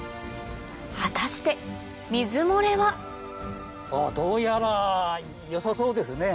果たして水漏れはどうやらよさそうですね。